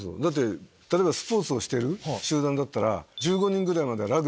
例えばスポーツをしている集団だったら１５人ぐらいまでは。